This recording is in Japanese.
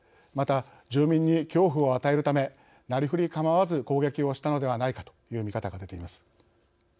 また、住民に恐怖を与えるためなりふり構わず攻撃したのではないかという見方が出ています。